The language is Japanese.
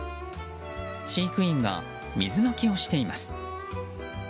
飼育員が水まきをしています。